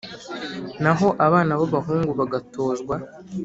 naho abana b’abahungu bagatozwa